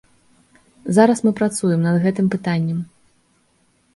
Зараз мы працуем над гэтым пытаннем.